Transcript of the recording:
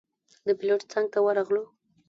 د پېلوټ څنګ ته ورغلو.